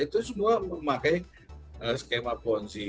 itu semua memakai skema ponzi